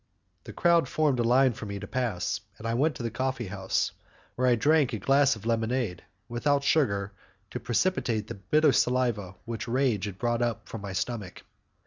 The crowd formed a line for me to pass, and I went to the coffee house, where I drank a glass of lemonade, without sugar to precipitate the bitter saliva which rage had brought up from my stomach.